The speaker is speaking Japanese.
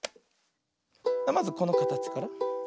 まずこのかたちから。